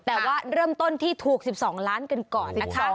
แต่ว่าเริ่มต้นที่ถูก๑๒ล้านกันก่อนนะคะ